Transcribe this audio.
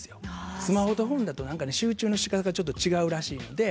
スマホと本だと集中の仕方が違うらしいので。